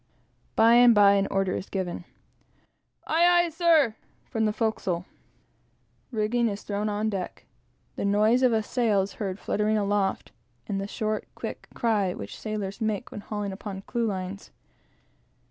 By and by an order is given "Aye, aye, sir!" from the forecastle; rigging is heaved down on deck; the noise of a sail is heard fluttering aloft, and the short, quick cry which sailors make when hauling upon clewlines.